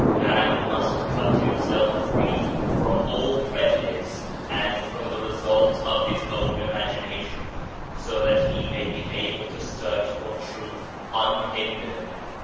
Man must cut himself free from all prejudice and from the result of his own imagination, so that he may be able to search for Truth unhindered.